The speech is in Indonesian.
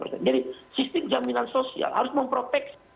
jadi sistem jaminan sosial harus memprotek